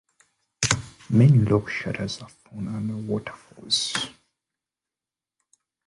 Many rock shelters are found under waterfalls.